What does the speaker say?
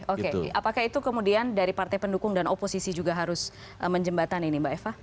oke apakah itu kemudian dari partai pendukung dan oposisi juga harus menjembatani ini mbak eva